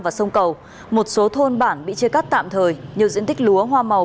và sông cầu một số thôn bản bị chia cắt tạm thời nhiều diện tích lúa hoa màu